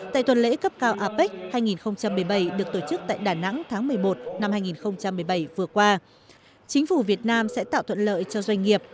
tại tuần lễ cấp cao apec hai nghìn một mươi bảy được tổ chức tại đà nẵng tháng một mươi một năm hai nghìn một mươi bảy vừa qua chính phủ việt nam sẽ tạo thuận lợi cho doanh nghiệp